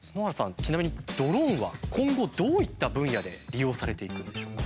ちなみにドローンは今後どういった分野で利用されていくんでしょうか？